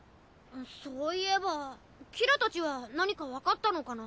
そういえばキラたちは何かわかったのかな？